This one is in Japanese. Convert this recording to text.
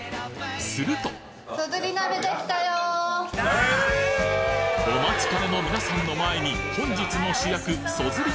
するとお待ちかねの皆さんの前に本日の主役そずり